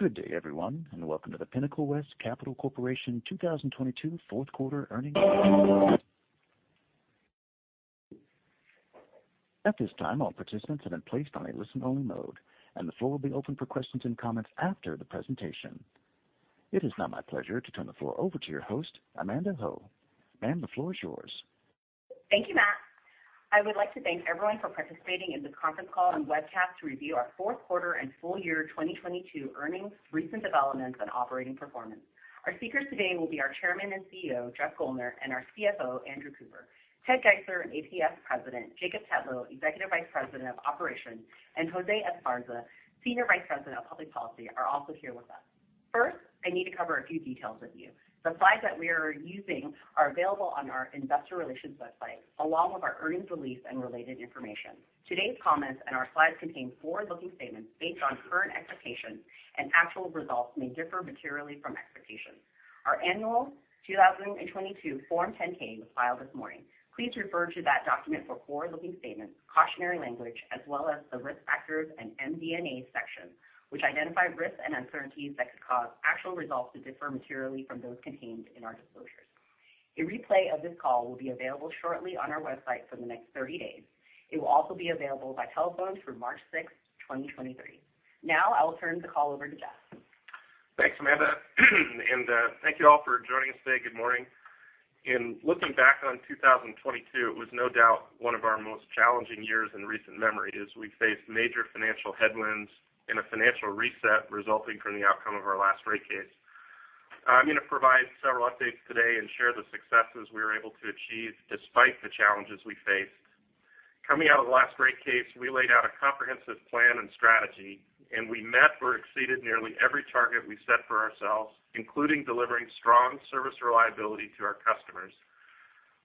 Good day, everyone, welcome to the Pinnacle West Capital Corporation 2022 fourth quarter earnings call. At this time, all participants have been placed on a listen-only mode, and the floor will be open for questions and comments after the presentation. It is now my pleasure to turn the floor over to your host, Amanda Ho. Ma'am, the floor is yours. Thank you, Matt. I would like to thank everyone for participating in this conference call and webcast to review our fourth quarter and full year 2022 earnings, recent developments and operating performance. Our speakers today will be our Chairman and CEO, Jeff Guldner, and our CFO, Andrew Cooper. Ted Geisler, APS President, Jacob Tetlow, Executive Vice President of Operations, and Jose Esparza, Senior Vice President of Public Policy, are also here with us. First, I need to cover a few details with you. The slides that we are using are available on our investor relations website, along with our earnings release and related information. Today's comments and our slides contain forward-looking statements based on current expectations and actual results may differ materially from expectations. Our annual 2022 Form 10-K was filed this morning. Please refer to that document for forward-looking statements, cautionary language, as well as the risk factors and MD&A section, which identify risks and uncertainties that could cause actual results to differ materially from those contained in our disclosures. A replay of this call will be available shortly on our website for the next 30 days. It will also be available by telephone through March 6, 2023. Now I will turn the call over to Jeff. Thanks, Amanda. Thank you all for joining us today. Good morning. In looking back on 2022, it was no doubt one of our most challenging years in recent memory as we faced major financial headwinds in a financial reset resulting from the outcome of our last rate case. I'm going to provide several updates today and share the successes we were able to achieve despite the challenges we faced. Coming out of the last rate case, we laid out a comprehensive plan and strategy, we met or exceeded nearly every target we set for ourselves, including delivering strong service reliability to our customers.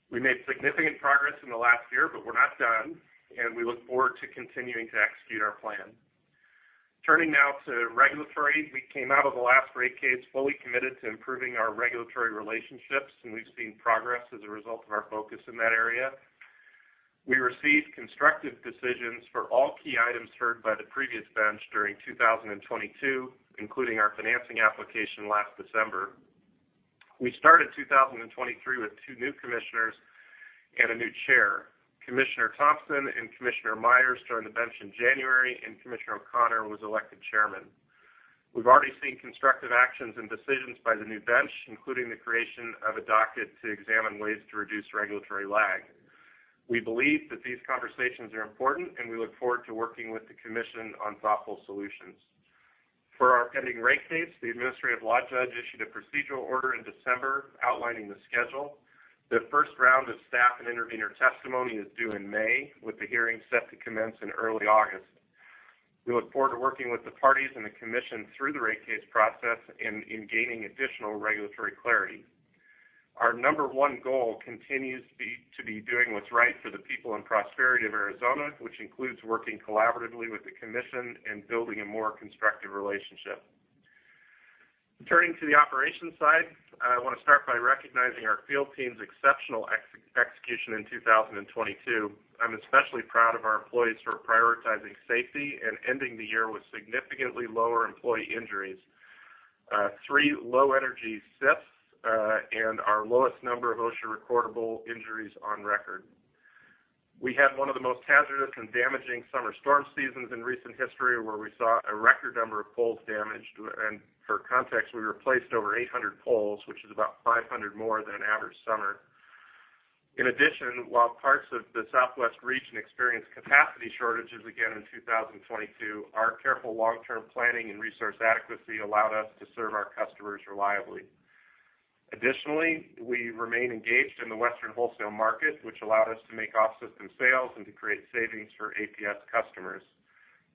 We made significant progress in the last year, we're not done and we look forward to continuing to execute our plan. Turning now to regulatory. We came out of the last rate case fully committed to improving our regulatory relationships, and we've seen progress as a result of our focus in that area. We received constructive decisions for all key items heard by the previous bench during 2022, including our financing application last December. We started 2023 with two new commissioners and a new chair. Commissioner Thompson and Commissioner Myers joined the bench in January, and Commissioner O'Connor was elected Chairman. We've already seen constructive actions and decisions by the new bench, including the creation of a docket to examine ways to reduce regulatory lag. We believe that these conversations are important and we look forward to working with the Commission on thoughtful solutions. For our pending rate case, the administrative law judge issued a procedural order in December outlining the schedule. The first round of staff and intervener testimony is due in May, with the hearing set to commence in early August. We look forward to working with the parties and the Commission through the rate case process in gaining additional regulatory clarity. Our number one goal continues to be doing what's right for the people and prosperity of Arizona, which includes working collaboratively with the Commission and building a more constructive relationship. Turning to the operations side, I want to start by recognizing our field team's exceptional execution in 2022. I'm especially proud of our employees for prioritizing safety and ending the year with significantly lower employee injuries. Three low energy SIFs and our lowest number of OSHA recordable injuries on record. We had one of the most hazardous and damaging summer storm seasons in recent history, where we saw a record number of poles damaged. For context, we replaced over 800 poles, which is about 500 more than an average summer. In addition, while parts of the Southwest region experienced capacity shortages again in 2022, our careful long-term planning and resource adequacy allowed us to serve our customers reliably. Additionally, we remain engaged in the western wholesale market, which allowed us to make off-system sales and to create savings for APS customers.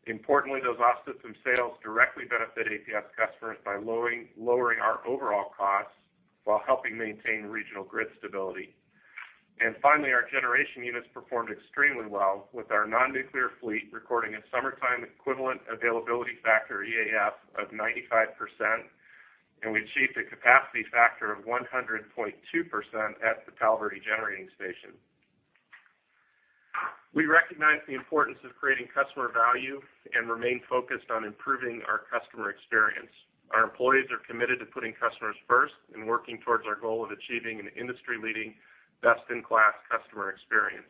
Importantly, those off-system sales directly benefit APS customers by lowering our overall costs while helping maintain regional grid stability. Finally, our generation units performed extremely well with our non-nuclear fleet recording a summertime equivalent availability factor, EAF, of 95%, and we achieved a capacity factor of 100.2% at the Palo Verde Generating Station. We recognize the importance of creating customer value and remain focused on improving our customer experience. Our employees are committed to putting customers first and working towards our goal of achieving an industry-leading, best-in-class customer experience.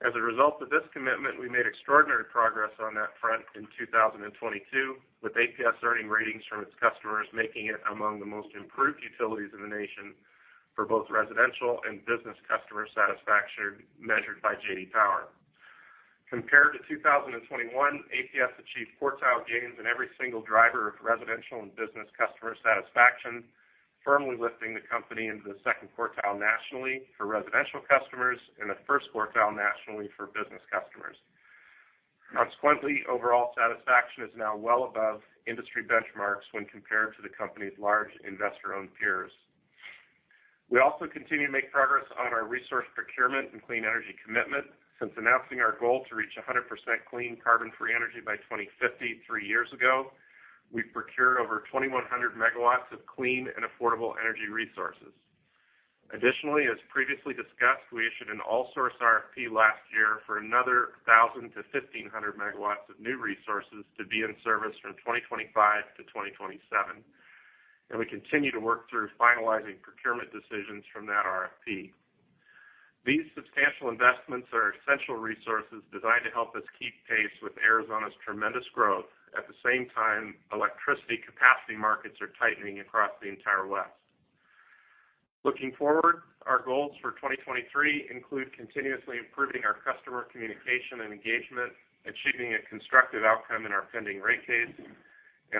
As a result of this commitment, we made extraordinary progress on that front in 2022, with APS earning ratings from its customers, making it among the most improved utilities in the nation for both residential and business customer satisfaction measured by J.D. Power. Compared to 2021, APS achieved quartile gains in every single driver of residential and business customer satisfaction, firmly lifting the company into the second quartile nationally for residential customers and the first quartile nationally for business customers. Consequently, overall satisfaction is now well above industry benchmarks when compared to the company's large investor-owned peers. We also continue to make progress on our resource procurement and clean energy commitment. Since announcing our goal to reach a 100% clean carbon-free energy by 2053 years ago, we've procured over 2,100 MW of clean and affordable energy resources. Additionally, as previously discussed, we issued an all source RFP last year for another 1,000-1,500 MW of new resources to be in service from 2025-2027. We continue to work through finalizing procurement decisions from that RFP. These substantial investments are essential resources designed to help us keep pace with Arizona's tremendous growth. At the same time, electricity capacity markets are tightening across the entire West. Looking forward, our goals for 2023 include continuously improving our customer communication and engagement, achieving a constructive outcome in our pending rate case, and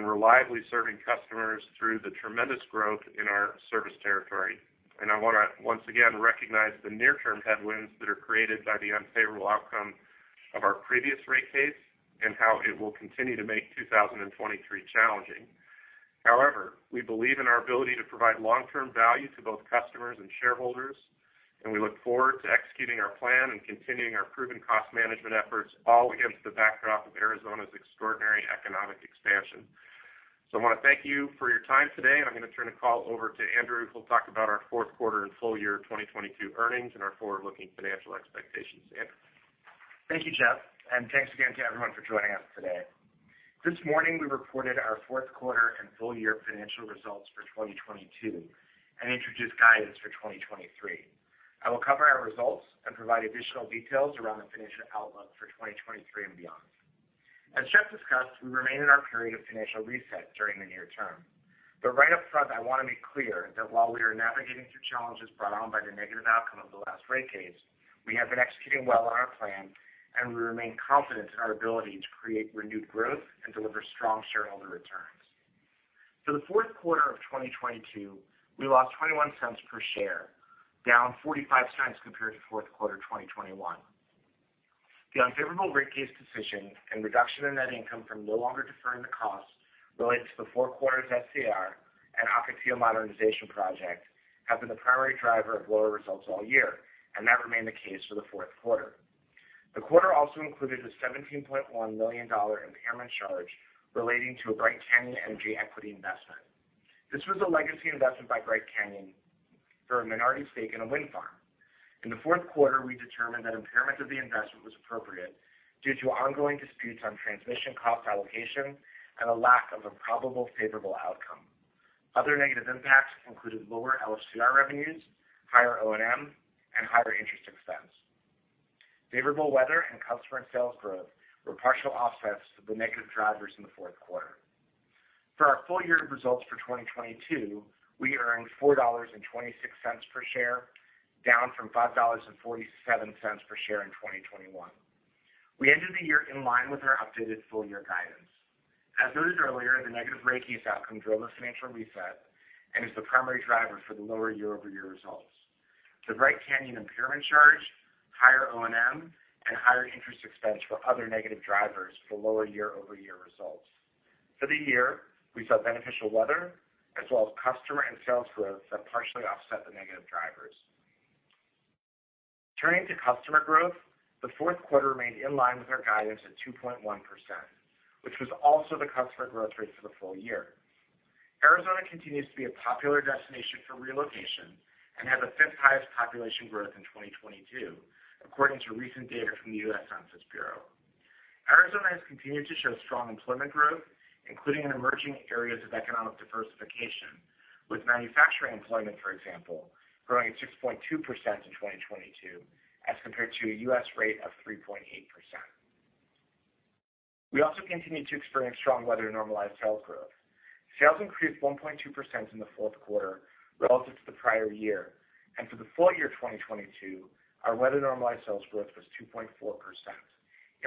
reliably serving customers through the tremendous growth in our service territory. I wanna, once again, recognize the near-term headwinds that are created by the unfavorable outcome of our previous rate case and how it will continue to make 2023 challenging. However, we believe in our ability to provide long-term value to both customers and shareholders, and we look forward to executing our plan and continuing our proven cost management efforts, all against the backdrop of Arizona's extraordinary economic expansion. I want to thank you for your time today, and I am going to turn the call over to Andrew, who will talk about our fourth quarter and full year 2022 earnings and our forward-looking financial expectations. Andrew? Thank you, Jeff. Thanks again to everyone for joining us today. This morning, we reported our fourth quarter and full year financial results for 2022 and introduced guidance for 2023. I will cover our results and provide additional details around the financial outlook for 2023 and beyond. As Jeff discussed, we remain in our period of financial reset during the near term. Right up front, I wanna be clear that while we are navigating through challenges brought on by the negative outcome of the last rate case, we have been executing well on our plan, and we remain confident in our ability to create renewed growth and deliver strong shareholder returns. For the fourth quarter of 2022, we lost $0.21 per share, down $0.45 compared to fourth quarter 2021. The unfavorable rate case decision and reduction in net income from no longer deferring the costs related to the Four Corners SCR and Ocotillo modernization project have been the primary driver of lower results all year. That remained the case for the fourth quarter. The quarter also included a $17.1 million impairment charge relating to a Bright Canyon Energy equity investment. This was a legacy investment by Bright Canyon for a minority stake in a wind farm. In the fourth quarter, we determined that impairment of the investment was appropriate due to ongoing disputes on transmission cost allocation and a lack of a probable favorable outcome. Other negative impacts included lower LFCR revenues, higher O&M, and higher interest expense. Favorable weather and customer and sales growth were partial offsets to the negative drivers in the fourth quarter. For our full year results for 2022, we earned $4.26 per share, down from $5.47 per share in 2021. We ended the year in line with our updated full year guidance. As noted earlier, the negative rate case outcome drove a financial reset and is the primary driver for the lower year-over-year results. The Bright Canyon impairment charge, higher O&M, and higher interest expense were other negative drivers for lower year-over-year results. For the year, we saw beneficial weather as well as customer and sales growth that partially offset the negative drivers. Turning to customer growth, the fourth quarter remained in line with our guidance at 2.1%, which was also the customer growth rate for the full year. Arizona continues to be a popular destination for relocation and had the fifth highest population growth in 2022, according to recent data from the U.S. Census Bureau. Arizona has continued to show strong employment growth, including in emerging areas of economic diversification, with manufacturing employment, for example, growing at 6.2% in 2022 as compared to a U.S. rate of 3.8%. We also continued to experience strong weather-normalized sales growth. Sales increased 1.2% in the fourth quarter relative to the prior year. For the full year 2022, our weather-normalized sales growth was 2.4%,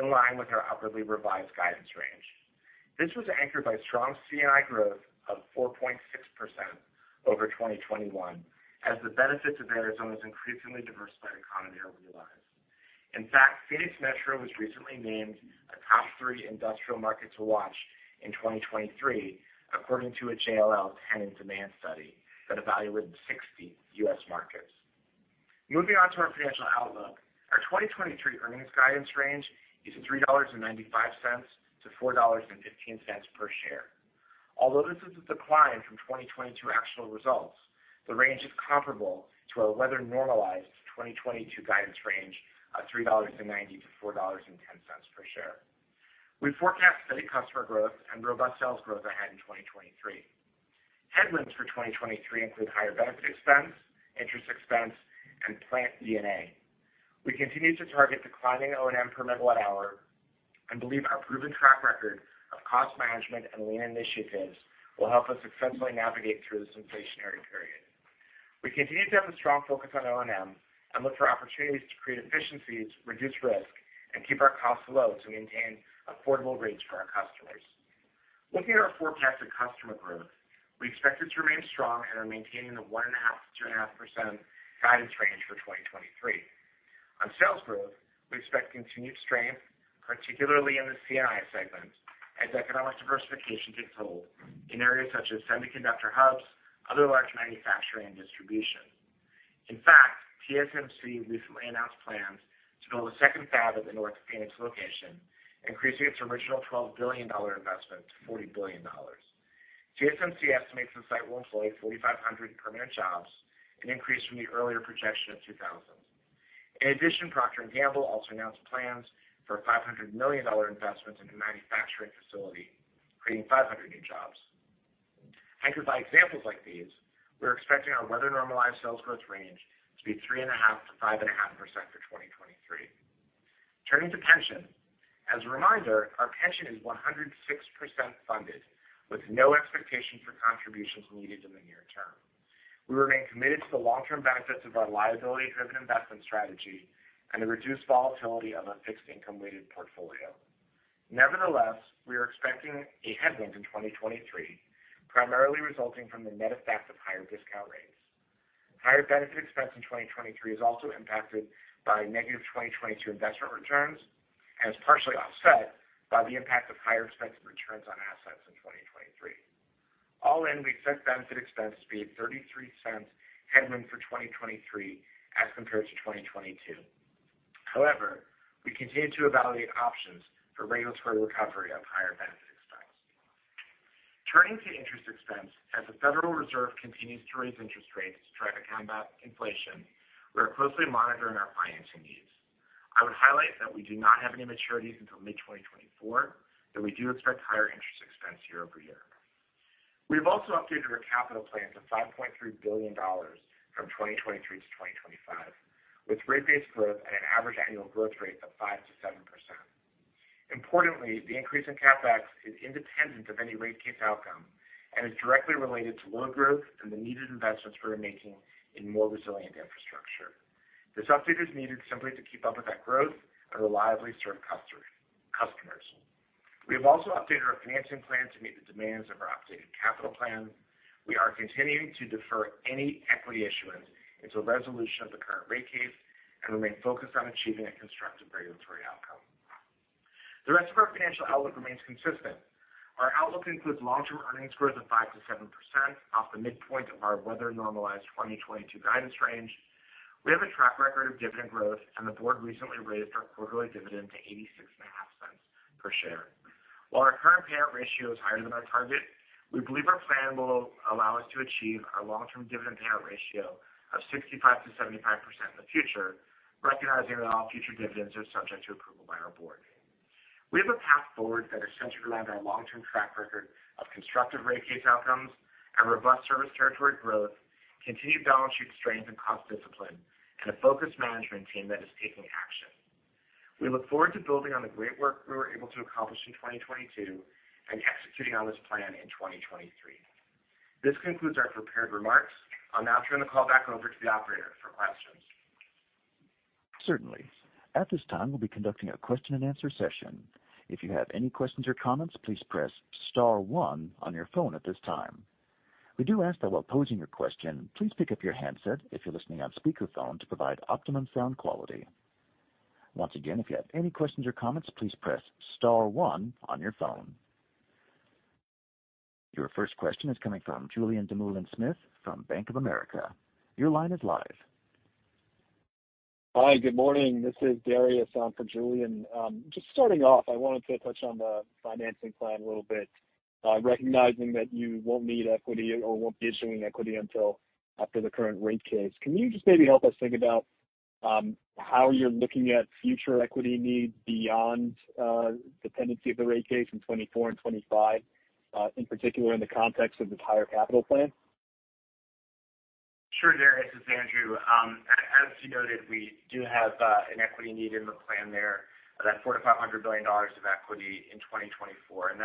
in line with our upwardly revised guidance range. This was anchored by strong C&I growth of 4.6% over 2021 as the benefits of Arizona's increasingly diversified economy are realized. In fact, Phoenix Metro was recently named a top three industrial market to watch in 2023 according to a JLL Tenant Demand Study that evaluated 60 U.S. markets. Moving on to our financial outlook. Our 2023 earnings guidance range is $3.95-$4.15 per share. Although this is a decline from 2022 actual results, the range is comparable to our weather normalized 2022 guidance range of $3.90-$4.10 per share. We forecast steady customer growth and robust sales growth ahead in 2023. Headwinds for 2023 include higher benefit expense, interest expense, and plant D&A. We continue to target declining O&M per kilowatt hour and believe our proven track record of cost management and lean initiatives will help us successfully navigate through this inflationary period. We continue to have a strong focus on O&M and look for opportunities to create efficiencies, reduce risk, and keep our costs low to maintain affordable rates for our customers. Looking at our forecasted customer growth, we expect it to remain strong and are maintaining the 1.5%-2.5% guidance range for 2023. Sales growth, we expect continued strength, particularly in the C&I segment, as economic diversification takes hold in areas such as semiconductor hubs, other large manufacturing and distribution. TSMC recently announced plans to build a second fab at the North Phoenix location, increasing its original $12 billion investment to $40 billion. TSMC estimates the site will employ 4,500 permanent jobs, an increase from the earlier projection of 2,000. Procter & Gamble also announced plans for a $500 million investment in a manufacturing facility, creating 500 new jobs. Anchored by examples like these, we're expecting our weather normalized sales growth range to be 3.5%-5.5% for 2023. Turning to pension. As a reminder, our pension is 106% funded with no expectation for contributions needed in the near term. We remain committed to the long-term benefits of our liability-driven investment strategy and the reduced volatility of a fixed income-weighted portfolio. We are expecting a headwind in 2023, primarily resulting from the net effect of higher discount rates. Higher benefit expense in 2023 is also impacted by negative 2022 investment returns and is partially offset by the impact of higher expense and returns on assets in 2023. All in, we expect benefit expense to be $0.33 headwind for 2023 as compared to 2022. However, we continue to evaluate options for regulatory recovery of higher benefit expense. Turning to interest expense. As the Federal Reserve continues to raise interest rates to try to combat inflation, we are closely monitoring our financing needs. I would highlight that we do not have any maturities until mid-2024, but we do expect higher interest expense year-over-year. We have also updated our capital plan to $5.3 billion from 2023 to 2025, with rate-based growth at an average annual growth rate of 5%-7%. Importantly, the increase in CapEx is independent of any rate case outcome and is directly related to load growth and the needed investments we're making in more resilient infrastructure. This update is needed simply to keep up with that growth and reliably serve customers. We have also updated our financing plan to meet the demands of our updated capital plan. We are continuing to defer any equity issuance until resolution of the current rate case and remain focused on achieving a constructive regulatory outcome. The rest of our financial outlook remains consistent. Our outlook includes long-term earnings growth of 5%-7% off the midpoint of our weather-normalized 2022 guidance range. We have a track record of dividend growth, the board recently raised our quarterly dividend to $0.865 per share. While our current payout ratio is higher than our target, we believe our plan will allow us to achieve our long-term dividend payout ratio of 65%-75% in the future, recognizing that all future dividends are subject to approval by our board. We have a path forward that is centered around our long-term track record of constructive rate case outcomes and robust service territory growth, continued balance sheet strength and cost discipline, and a focused management team that is taking action. We look forward to building on the great work we were able to accomplish in 2022 and executing on this plan in 2023. This concludes our prepared remarks. I'll now turn the call back over to the operator for questions. Certainly. At this time, we'll be conducting a question-and-answer session. If you have any questions or comments, please press star one on your phone at this time. We do ask that while posing your question, please pick up your handset if you're listening on speakerphone to provide optimum sound quality. Once again, if you have any questions or comments, please press star one on your phone. Your first question is coming from Julien Dumoulin-Smith from Bank of America. Your line is live. Hi. Good morning. This is Dariusz for Julien. Just starting off, I wanted to touch on the financing plan a little bit, recognizing that you won't need equity or won't be issuing equity until after the current rate case. Can you just maybe help us think about, how you're looking at future equity needs beyond, dependency of the rate case in 2024 and 2025, in particular in the context of this higher capital plan? Sure, Dariusz. It's Andrew. As you noted, we do have an equity need in the plan there of that $400 billion-$500 billion of equity in 2024.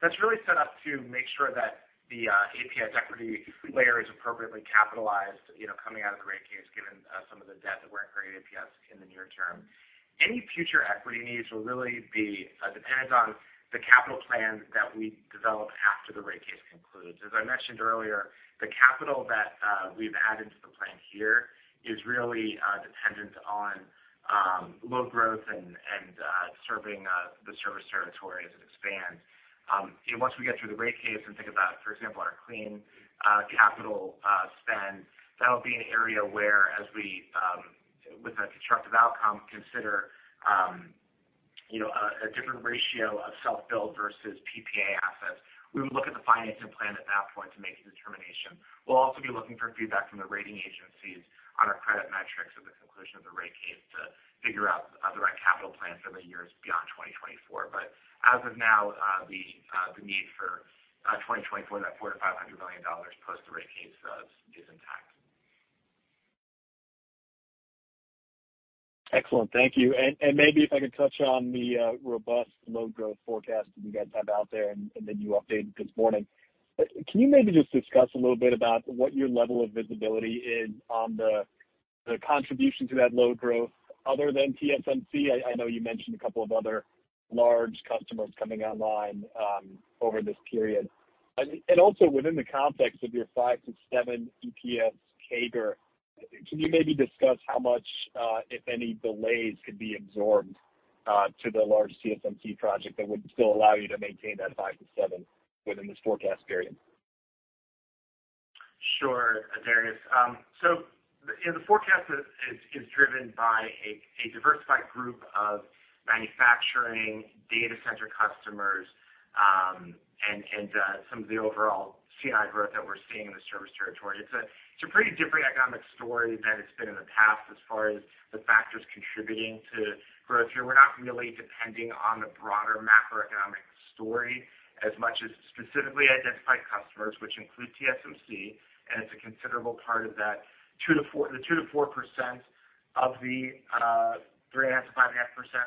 That's really set up to make sure that the APS equity layer is appropriately capitalized, you know, coming out of the rate case, given some of the debt that we're incurring at APS in the near term. Any future equity needs will really be dependent on the capital plan that we develop after the rate case concludes. As I mentioned earlier, the capital that we've added to the plan here is really dependent on load growth and serving the service territory as it expands. Once we get through the rate case and think about, for example, our clean capital spend, that'll be an area where as we, with a constructive outcome, consider a different ratio of self-build versus PPA assets. We would look at the financing plan at that point to make a determination. We'll also be looking for feedback from the rating agencies on our credit metrics at the conclusion of the rate case to figure out the right capital plan for the years beyond 2024. As of now, the need for 2024, that $400 million-$500 million post the rate case, is intact. Excellent. Thank you. Maybe if I could touch on the robust load growth forecast that you guys have out there and that you updated this morning. Can you maybe just discuss a little bit about what your level of visibility is on the contribution to that load growth other than TSMC? I know you mentioned a couple of other large customers coming online over this period. Within the context of your 5%-7% EPS CAGR, can you maybe discuss how much if any delays could be absorbed to the large TSMC project that would still allow you to maintain that 5%-7% within this forecast period? Sure, Dariusz. The, you know, the forecast is driven by a diversified group of manufacturing data center customers, and some of the overall C&I growth that we're seeing in the service territory. It's a pretty different economic story than it's been in the past as far as the factors contributing to growth here. We're not really depending on the broader macroeconomic story as much as specifically identified customers, which include TSMC, and it's a considerable part of that. The 2%-4% of the 3.5%-5.5%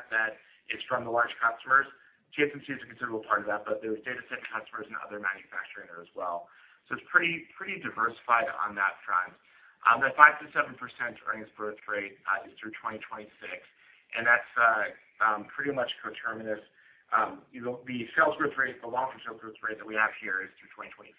that is from the large customers. TSMC is a considerable part of that, there's data center customers and other manufacturers as well. It's pretty diversified on that front. The 5%-7% earnings growth rate is through 2026, and that's pretty much coterminous. You know, the sales growth rate, the long-term sales growth rate that we have here is through 2025,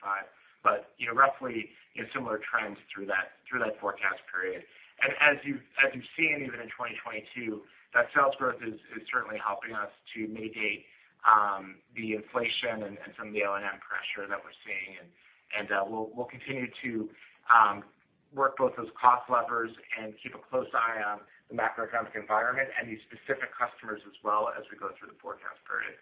but, you know, roughly, you know, similar trends through that forecast period. As you've seen even in 2022, that sales growth is certainly helping us to mitigate the inflation and some of the O&M pressure that we're seeing. We'll continue to work both those cost levers and keep a close eye on the macroeconomic environment and these specific customers as well as we go through the forecast period.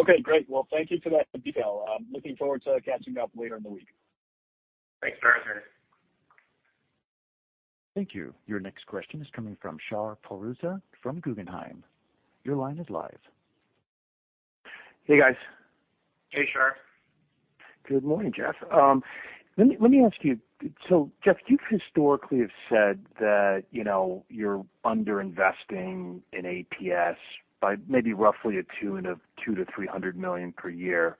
Okay, great. Thank you for that detail. I'm looking forward to catching up later in the week. Thanks, Dariusz. Thank you. Your next question is coming from Shar Pourreza from Guggenheim. Your line is live. Hey, guys. Hey, Shar. Good morning, Jeff. let me ask you. Jeff, you historically have said that, you know, you're underinvesting in APS by maybe roughly $200 million-$300 million per year.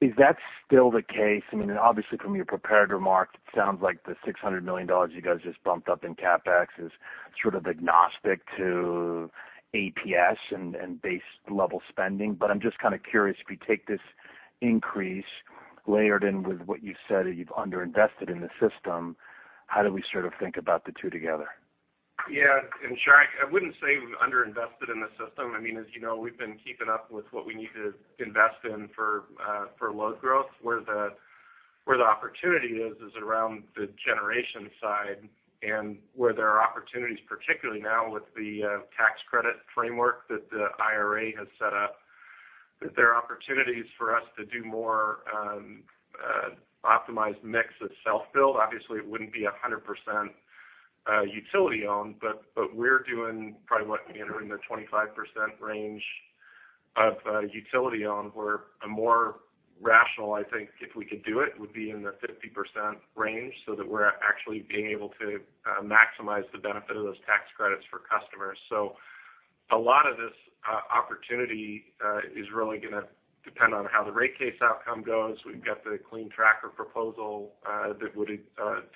Is that still the case? I mean, obviously from your prepared remarks, it sounds like the $600 million you guys just bumped up in CapEx is sort of agnostic to APS and base level spending. I'm just kind of curious, if you take this increase layered in with what you said you've underinvested in the system, how do we sort of think about the two together? Yeah. Shar, I wouldn't say we've underinvested in the system. I mean, as you know, we've been keeping up with what we need to invest in for load growth. Where the opportunity is around the generation side and where there are opportunities, particularly now with the tax credit framework that the IRA has set up, that there are opportunities for us to do more optimized mix that's self-billed. Obviously, it wouldn't be 100% utility-owned, but we're doing probably what, you know, in the 25% range of utility-owned, where a more rational, I think if we could do it, would be in the 50% range, so that we're actually being able to maximize the benefit of those tax credits for customers. A lot of this opportunity is really gonna depend on how the rate case outcome goes. We've got the clean tracker proposal that would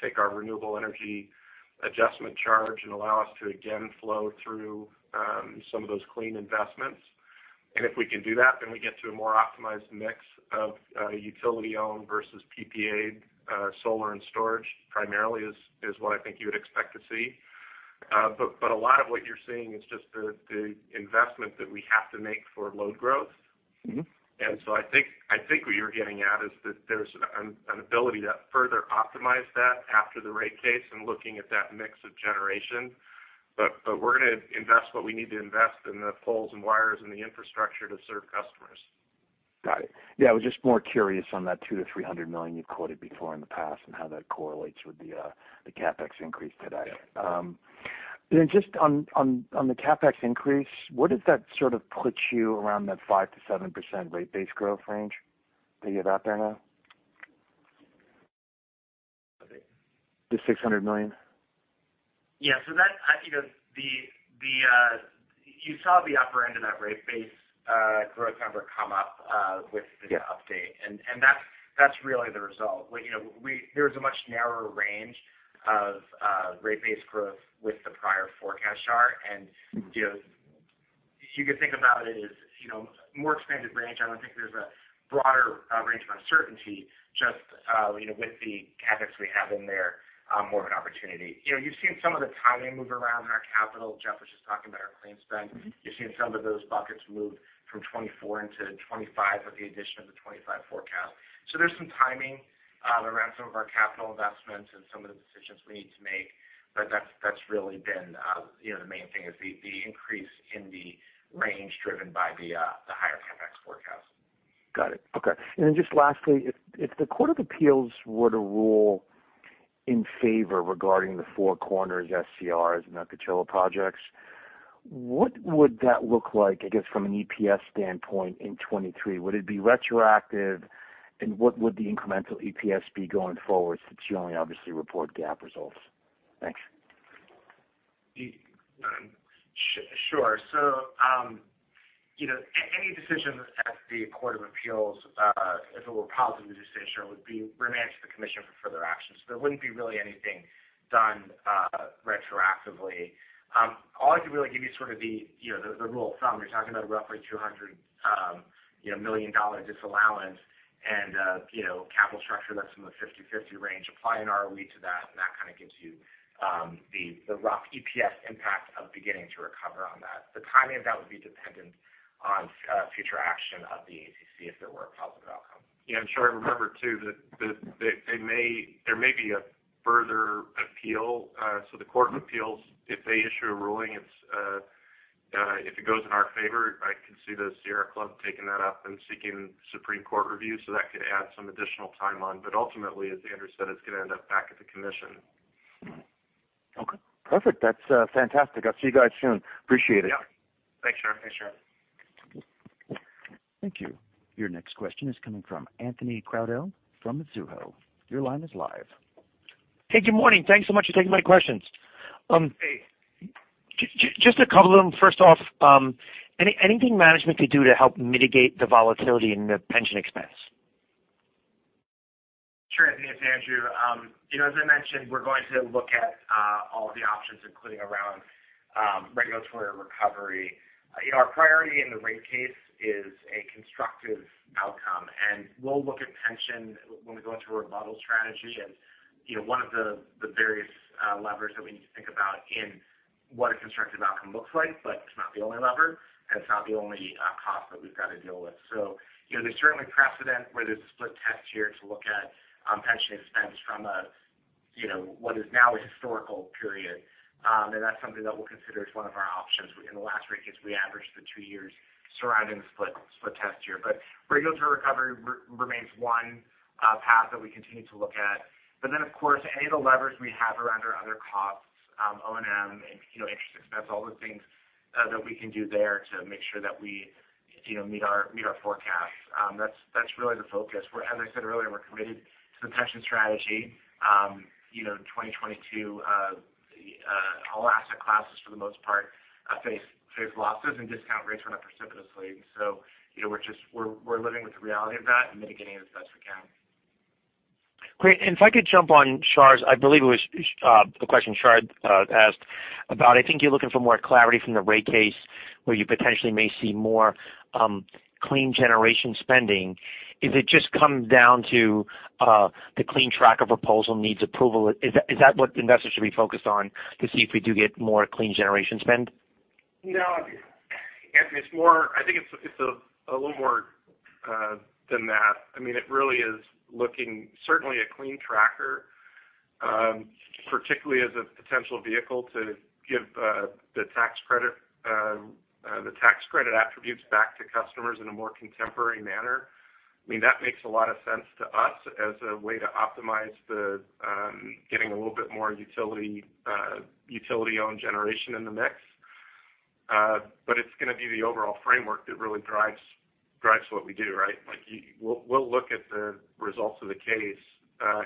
take our Renewable Energy Adjustment Charge and allow us to again flow through some of those clean investments. If we can do that, then we get to a more optimized mix of utility-owned versus PPA solar and storage primarily is what I think you would expect to see. A lot of what you're seeing is just the investment that we have to make for load growth. Mm-hmm. I think what you're getting at is that there's an ability to further optimize that after the rate case and looking at that mix of generation. We're gonna invest what we need to invest in the poles and wires and the infrastructure to serve customers. Got it. Yeah, I was just more curious on that $200 million-$300 million you've quoted before in the past and how that correlates with the CapEx increase today. Just on the CapEx increase, what does that sort of put you around that 5%-7% rate base growth range that you have out there now? The $600 million. Yeah. That, I think is the, You saw the upper end of that rate base growth number come up with the update, and that's really the result. We, you know, there's a much narrower range of rate base growth with the prior forecast, Shar. You know, you could think about it as, you know, more expanded range. I don't think there's a broader range of uncertainty just, you know, with the CapEx we have in there, more of an opportunity. You know, you've seen some of the timing move around in our capital. Jeff was just talking about our clean spend. Mm-hmm. You've seen some of those buckets move from 2024 into 2025 with the addition of the 2025 forecast. There's some timing around some of our capital investments and some of the decisions we need to make. That's really been, you know, the main thing is the increase in the range driven by the higher CapEx forecast. Got it. Okay. Then just lastly, if the Court of Appeals were to rule in favor regarding the Four Corners SCRs and the Ocotillo projects, what would that look like, I guess, from an EPS standpoint in 2023? Would it be retroactive? What would the incremental EPS be going forward since you only obviously report GAAP results? Thanks. Sure. You know, any decision at the Court of Appeals, if it were a positive decision, would be remanded to the commission for further action. There wouldn't be really anything done retroactively. All I could really give you sort of the, you know, the rule of thumb, you're talking about roughly a $200 million disallowance and, you know, capital structure that's in the 50/50 range. Apply an ROE to that, and that kind of gives you the rough EPS impact of beginning to recover on that. The timing of that would be dependent on future action of the ACC if there were a positive outcome. Yeah. Shar, remember too that there may be a further appeal. The Court of Appeals, if they issue a ruling, it's if it goes in our favor, I can see the Sierra Club taking that up and seeking Supreme Court review. That could add some additional timeline. Ultimately, as Andrew said, it's gonna end up back at the Commission. Okay. Perfect. That's fantastic. I'll see you guys soon. Appreciate it. Yeah. Thanks, Shar. Thanks, Shar. Thank you. Your next question is coming from Anthony Crowdell from Mizuho. Your line is live. Hey, good morning. Thanks so much for taking my questions. just a couple of them. First off, anything management could do to help mitigate the volatility in the pension expense? Sure, Anthony. It's Andrew. You know, as I mentioned, we're going to look at all the options, including around regulatory recovery. You know, our priority in the rate case is a constructive outcome, and we'll look at pension when we go into a remodel strategy. You know, one of the various levers that we need to think about in what a constructive outcome looks like. It's not the only lever, and it's not the only cost that we've got to deal with. You know, there's certainly precedent where there's a split test year to look at pension expense from a, you know, what is now a historical period. That's something that we'll consider as one of our options. In the last rate case, we averaged the two years surrounding the split test year. Regulatory recovery remains one path that we continue to look at. Of course, any of the levers we have around our other costs, O&M, you know, interest expense, all the things that we can do there to make sure that we, you know, meet our forecasts. That's, that's really the focus. As I said earlier, we're committed to the pension strategy. You know, in 2022, all asset classes for the most part, face losses and discount rates went up precipitously. You know, we're living with the reality of that and mitigating as best we can. Great. If I could jump on Shar's. I believe it was a question Shar asked about I think you're looking for more clarity from the rate case where you potentially may see more clean generation spending. If it just comes down to the clean tracker proposal needs approval, is that what investors should be focused on to see if we do get more clean generation spend? No, Anthony. I think it's a little more than that. I mean, it really is looking certainly a clean tracker, particularly as a potential vehicle to give the tax credit, the tax credit attributes back to customers in a more contemporary manner. I mean, that makes a lot of sense to us as a way to optimize the getting a little bit more utility-owned generation in the mix. It's gonna be the overall framework that really drives what we do, right? Like we'll look at the results of the case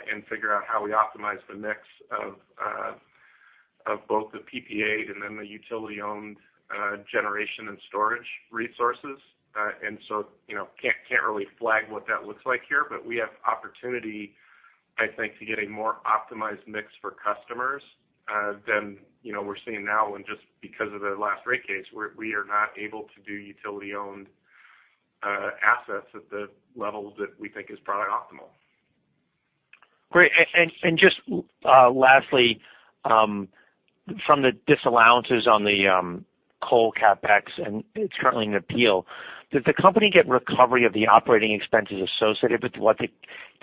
and figure out how we optimize the mix of both the PPA and then the utility-owned generation and storage resources. You know, can't really flag what that looks like here, but we have opportunity, I think, to get a more optimized mix for customers, than, you know, we're seeing now when just because of the last rate case, we are not able to do utility-owned assets at the level that we think is probably optimal. Great. Just lastly, from the disallowances on the coal CapEx, and it's currently in appeal. Does the company get recovery of the operating expenses associated with what the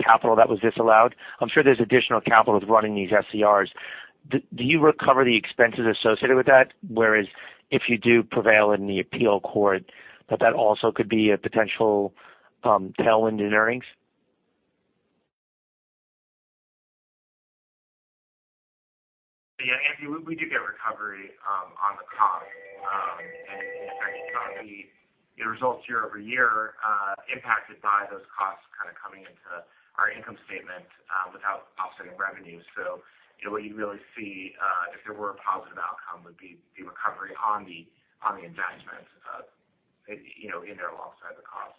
capital that was disallowed? I'm sure there's additional capital of running these SCRs. Do you recover the expenses associated with that? Whereas if you do prevail in the appeal court, that also could be a potential tailwind in earnings. Anthony, we do get recovery on the cost. actually saw the results year-over-year impacted by those costs kind of coming into our income statement without offsetting revenue. you know, what you'd really see, if there were a positive outcome, would be the recovery on the investments of, you know, in there alongside the cost.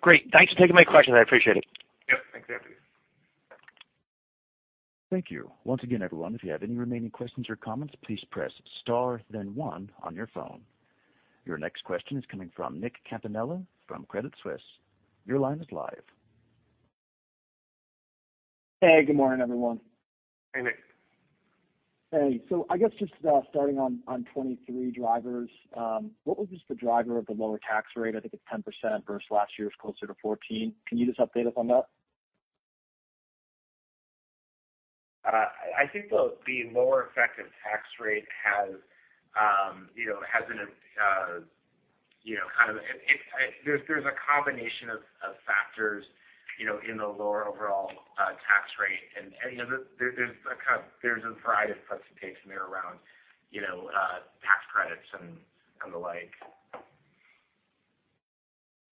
Great. Thanks for taking my questions. I appreciate it. Yep. Thanks, Anthony. Thank you. Once again, everyone, if you have any remaining questions or comments, please press star then one on your phone. Your next question is coming from Nicholas Campanella from Credit Suisse. Your line is live. Hey, good morning, everyone. Hey, Nick. Hey. I guess just, starting on 2023 drivers. What was just the driver of the lower tax rate? I think it's 10% versus last year's closer to 14%. Can you just update us on that? I think the lower effective tax rate. There's a combination of factors, you know, in the lower overall tax rate. You know, there's a variety of participation there around, you know, tax credits and the like.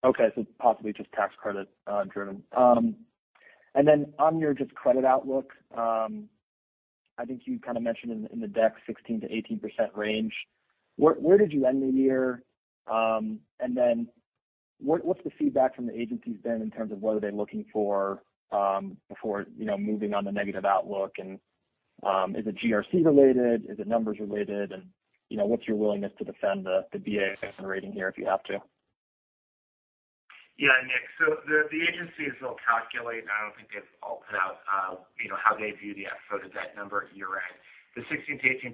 Okay. Possibly just tax credit driven. On your just credit outlook, I think you kind of mentioned in the deck 16%-18% range. Where did you end the year? What's the feedback from the agencies been in terms of what are they looking for, you know, moving on the negative outlook? Is it GRC related? Is it numbers related? You know, what's your willingness to defend the Baa rating here if you have to? Nick, the agencies will calculate. I don't think they've all put out, you know, how they view the FFO to debt number at year-end. The 16%-18%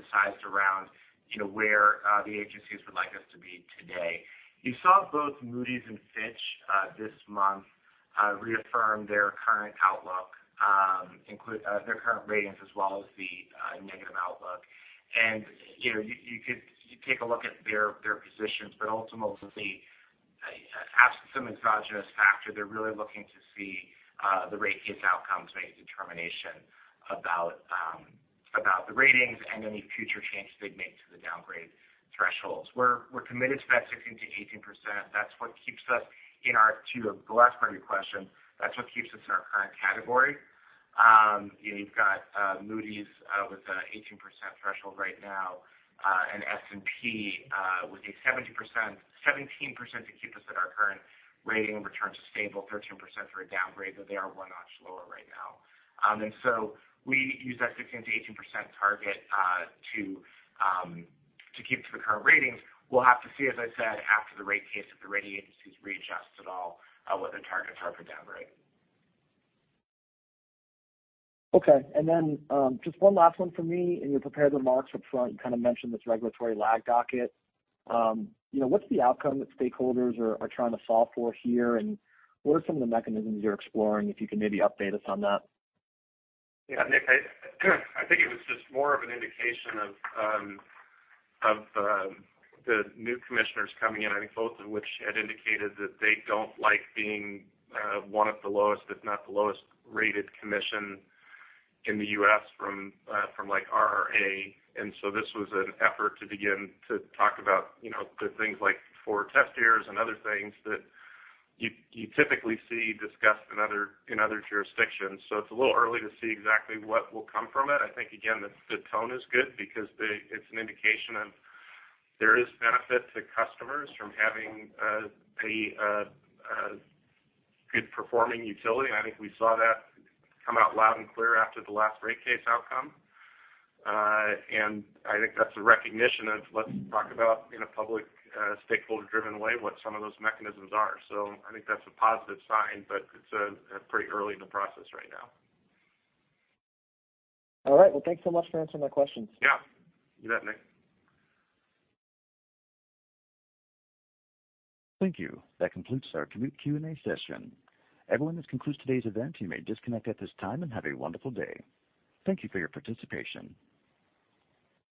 is sized around, you know, where the agencies would like us to be today. You saw both Moody's and Fitch this month reaffirm their current outlook, their current ratings as well as the negative outlook. You know, you take a look at their positions, but ultimately, absent some exogenous factor, they're really looking to see the rate case outcomes make a determination about the ratings and any future changes they'd make to the downgrade thresholds. We're committed to that 16%-18%. That's what keeps us to the last part of your question, that's what keeps us in our current category. You've got Moody's with an 18% threshold right now. S&P with a 17% to keep us at our current rating and return to stable 13% for a downgrade, though they are one notch lower right now. We use that 16%-18% target to keep to the current ratings. We'll have to see, as I said, after the rate case, if the rating agencies readjust at all, what the targets are for downgrade. Okay. Just one last one for me. In your prepared remarks up front, you kind of mentioned this regulatory lag docket. You know, what's the outcome that stakeholders are trying to solve for here, and what are some of the mechanisms you're exploring, if you can maybe update us on that? Nick, I think it was just more of an indication of the new commissioners coming in. I think both of which had indicated that they don't like being one of the lowest, if not the lowest rated commission in the U.S. from like RRA. This was an effort to begin to talk about, you know, the things like four test years and other things that you typically see discussed in other jurisdictions. It's a little early to see exactly what will come from it. I think again, the tone is good because it's an indication of there is benefit to customers from having a good performing utility. I think we saw that come out loud and clear after the last rate case outcome. I think that's a recognition of let's talk about in a public, stakeholder driven way, what some of those mechanisms are. I think that's a positive sign, but it's pretty early in the process right now. All right. Well, thanks so much for answering my questions. Yeah. You bet, Nick. Thank you. That concludes our Q&A session. Everyone, this concludes today's event. You may disconnect at this time and have a wonderful day. Thank you for your participation.